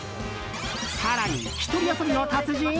更に一人遊びの達人？